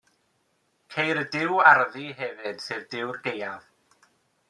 Ceir y Duw Arddu, hefyd, sef Duw'r Gaeaf.